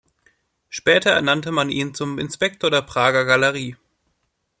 Später ernannte man ihn zum Inspektor der Prager Galerie.